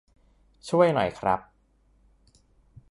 ช่วยหน่อยครับ